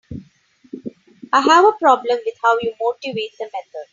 I have a problem with how you motivate the method.